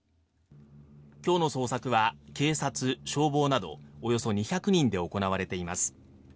今日の捜索は警察、消防などおよそ２００人で行われています。